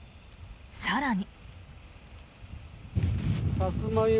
更に。